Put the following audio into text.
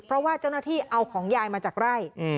เพราะว่าเจ้าหน้าที่เอาของยายมาจากไร่